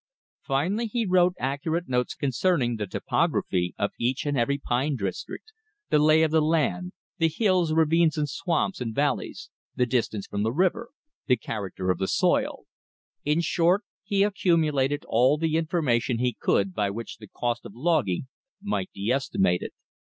Finally he wrote accurate notes concerning the topography of each and every pine district, the lay of the land; the hills, ravines, swamps, and valleys; the distance from the river; the character of the soil. In short, he accumulated all the information he could by which the cost of logging might be estimated.